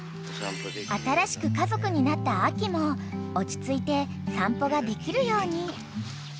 ［新しく家族になったアキも落ち着いて散歩ができるように］